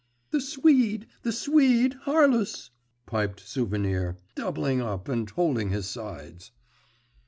'The Swede! The Swede, Harlus!' piped Souvenir, doubling up and holding his sides.